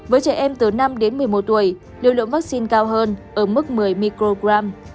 với trẻ em từ năm đến một mươi một tuổi lưu lượng vaccine cao hơn ở mức một mươi microgram